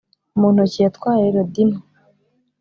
mu ntoki yatwaye lodie nto;